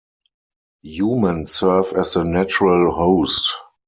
Human serve as the natural host.